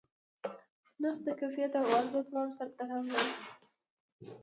نرخ د کیفیت او عرضه دواړو سره تړاو لري.